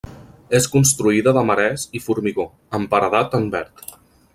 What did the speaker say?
És construïda de marès i formigó, amb paredat en verd.